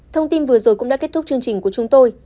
thông tin vừa rồi cũng đã kết thúc chương trình của chúng tôi